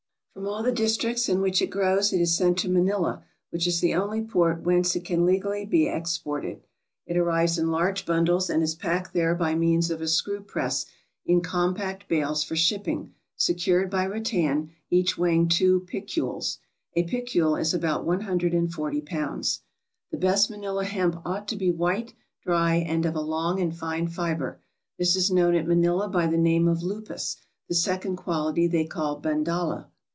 From all the districts in which it grows, it is sent to Manila, which is the only port whence it can legally be 402 TRAVELERS AND EXPLORERS exported. It arrives in large bundles, and is packed there by means of a screw press in compact bales for shipping, secured by rattan, each weighing two piculs. [A picul is about one hundred and forty pounds.] The best Manila hemp ought to be white, dry, and of a long and fine fiber. This is known at Manila by the name of lupis ; the second quality they call bandala.